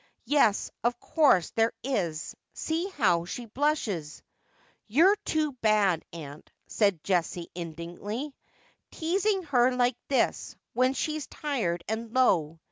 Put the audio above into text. ' Yes, of course there is. See how she blushes.' ' You're too bad, aunt,' said Jessie indignantly, ' teasing hef like this, when she's tired and low.